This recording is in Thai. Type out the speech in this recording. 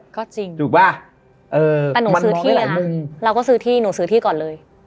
ก็จริงถูกป่ะแต่หนูซื้อที่นะเราก็ซื้อที่หนูซื้อที่ก่อนเลย